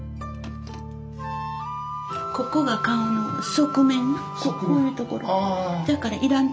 ここが顔の側面のこういうところ。